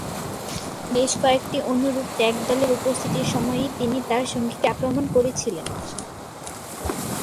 বেশ কয়েকটি অনুরূপ ট্যাগ দলের উপস্থিতির সময়ই তিনি তার সঙ্গীকে আক্রমণ করেছিলেন।